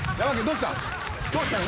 どうしたの？